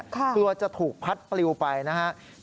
กลัวจะถูกพัดปลิวไปนะครับ